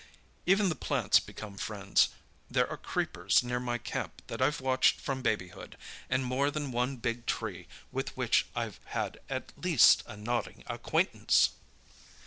Even the plants become friends; there are creepers near my camp that I've watched from babyhood, and more than one big tree with which I've at least a nodding acquaintance!"